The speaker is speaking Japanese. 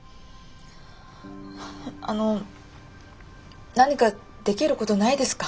あの何かできることないですか？